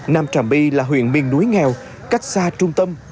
nam trà my là huyện miền núi nghèo cách xa trung tâm